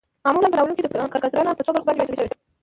معمولا په ناولونو کې کرکترنه په څو برخو باندې ويشل شوي